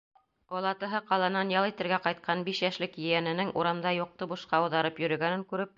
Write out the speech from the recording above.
Олатаһы ҡаланан ял итергә ҡайтҡан биш йәшлек ейәненең урамда юҡты бушҡа ауҙарып йөрөгәнен күреп: